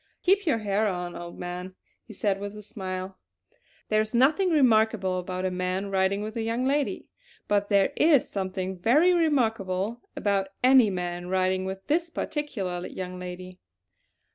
"Keep your hair on, old man!" he said with a smile. "There is nothing remarkable about a man riding with a young lady; but there is something very remarkable about any man riding with this particular young lady.